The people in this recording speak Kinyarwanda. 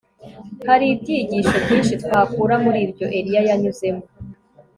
Hari ibyigisho byinshi twakura muri ibyo Eliya yanyuzemo